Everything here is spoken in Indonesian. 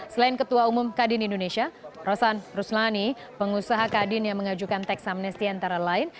selain ketua umum kadin indonesia rosan ruslani pengusaha kadin yang mengajukan teks amnesty antara lain